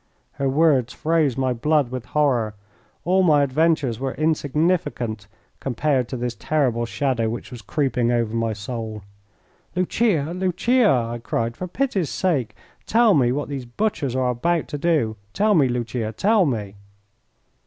Her words froze my blood with horror. All my adventures were insignificant compared to this terrible shadow which was creeping over my soul. "Lucia! Lucia!" I cried. "For pity's sake tell me what these butchers are about to do. Tell me, Lucia! Tell me!"